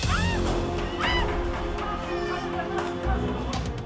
eh bawa parah